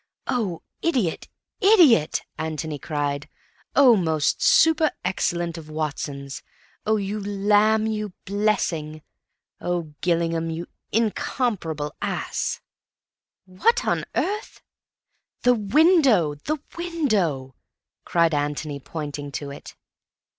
"Oh, idiot, idiot!" Antony cried. "Oh, most super excellent of Watsons! Oh, you lamb, you blessing! Oh, Gillingham, you incomparable ass!" "What on earth—" "The window, the window!" cried Antony, pointing to it.